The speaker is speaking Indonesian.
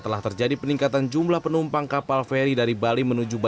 telah terjadi peningkatan jumlah penumpang kapal feri dari bali